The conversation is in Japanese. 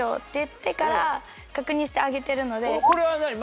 これは何？